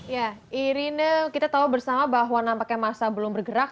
ya irina kita tahu bersama bahwa nampaknya masa belum bergerak